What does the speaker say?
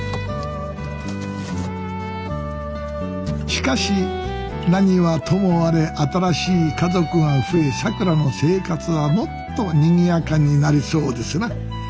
しかし何はともあれ新しい家族が増えさくらの生活はもっとにぎやかになりそうですな。